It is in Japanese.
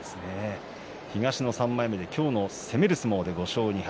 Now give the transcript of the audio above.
東の３枚目で今日も攻める相撲で５勝２敗。